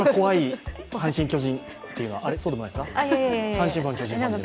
阪神×巨人というのは怖いそうでもないですか？